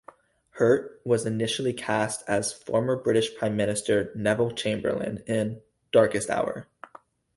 Hurt was initially cast as former British prime minister Neville Chamberlain in "Darkest Hour".